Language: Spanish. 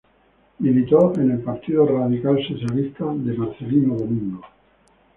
Militó en el Partido Radical Socialista de Marcelino Domingo.